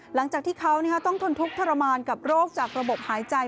หลังจากที่เขาต้องทนทุกข์ทรมานกับโรคจากระบบหายใจ